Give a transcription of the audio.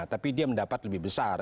tapi dia mendapat lebih besar